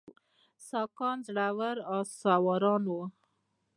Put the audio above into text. ساکان زړور آس سواران وو